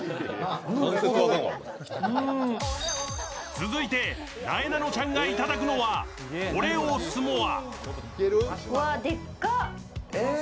続いて、なえなのちゃんがいただくのはオレオスモア。